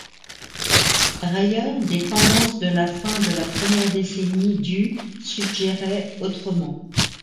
Par ailleurs, des tendances de la fin de la première décennie du suggéraient autrement.